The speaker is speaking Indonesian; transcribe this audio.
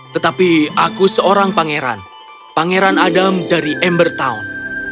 tetapi aku seorang pangeran pangeran adam dari ember town